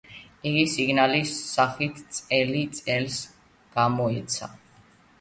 იგი სინგლის სახით წელი წელს გამოიცა.